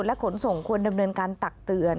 และขนส่งควรดำเนินการตักเตือน